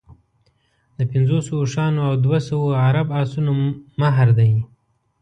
د پنځوسو اوښانو او دوه سوه عرب اسونو مهر دی.